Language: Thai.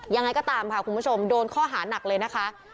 ยังไงก็ตามค่ะคุณผู้ชมโดนข้อหานักเลยนะคะ